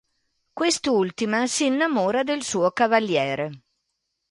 Quest'ultima si innamora del suo cavaliere.